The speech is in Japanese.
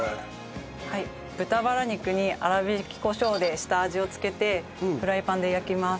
豚バラ肉に粗びきコショウで下味をつけてフライパンで焼きます。